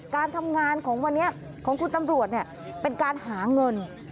การทำงานของวันนี้ของคุณตำรวจเป็นการหาเงิน